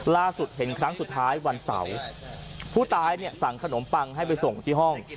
เห็นครั้งสุดท้ายวันเสาร์ผู้ตายเนี่ยสั่งขนมปังให้ไปส่งที่ห้อง